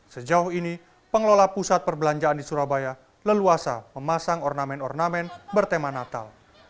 sejauh ini pengelola pusat perbelanjaan di surabaya leluasa memasang ornamen ornamen bertema natal